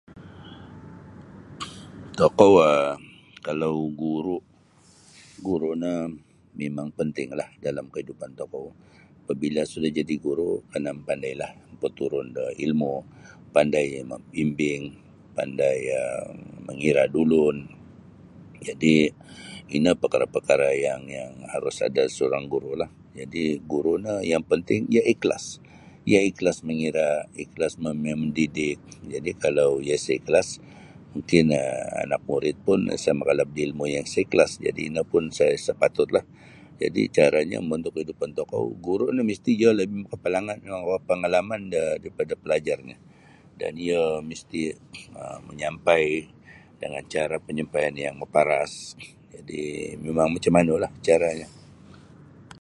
Tokou um kalau guru' guru' no mimang pentinglah dalam kaidupan tokou apabila sudah jadi guru' kena mapandailah mapaturun da ilmu pandai membimbing pandai um mangira' da ulun jadi' ino perkara-perkara yang yang harus ada seorang gurulah guru' no yang penting iyo iklas iklas mangira' iklas mendidik jadi kalau iyo sa iklas mungkin anak murid pun sa makalap da ilmu yang sa iklas jadi' ino pun sa patutlah caranyo mombontuk da kaidupan tokou guru no iyo misti' maka pengalaman daripada pelajarnyo iyo manyampai dengan cara panyampaian yang maparas jadi' mimang macam manulah caranyo.